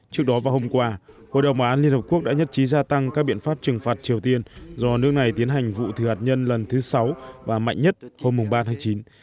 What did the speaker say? trước đó vào hôm qua hội đồng bảo án liên hợp quốc đã nhất trí gia tăng các biện pháp trừng phạt triều tiên do nước này tiến hành vụ thử hạt nhân lần thứ sáu và mạnh nhất hôm ba tháng chín